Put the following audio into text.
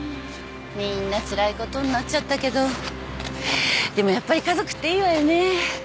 みんなつらいことになっちゃったけどでもやっぱり家族っていいわよね。